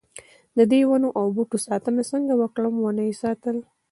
ددې ونو او بوټو ساتنه څنګه وکړو ونه یې ساتل.